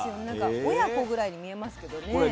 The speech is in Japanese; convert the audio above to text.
なんか親子ぐらいに見えますけどね。